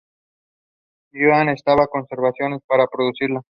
Joe Roth estaba en conversaciones para producirla.